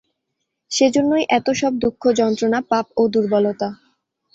সেই জন্যই এত সব দুঃখ যন্ত্রণা পাপ ও দুর্বলতা।